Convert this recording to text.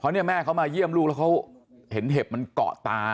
เนี่ยแม่เขามาเยี่ยมลูกแล้วเขาเห็นเห็บมันเกาะตา